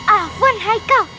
ah fon hai kau